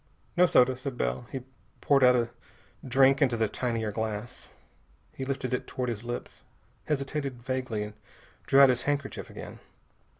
"No soda," said Bell. He poured out a drink into the tinier glass. He lifted it toward his lips, hesitated vaguely, and drew out his handkerchief again.